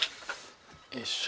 よいしょ。